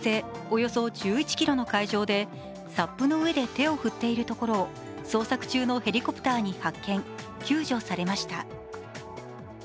およそ１１ｋｍの海上でＳＵＰの上で手を振っているところを捜索中のヘリコプターに発見救助されました。